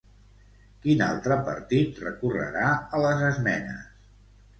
Quin altre partit recorrerà a les esmenes?